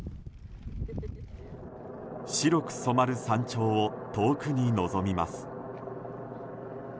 白く染まる山頂を遠くに望みます。